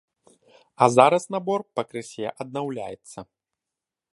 А зараз набор пакрысе аднаўляецца.